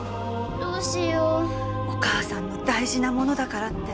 お母さんの大事なものだからって。